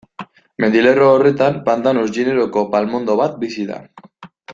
Mendilerro horretan, Pandanus generoko palmondo bat bizi da.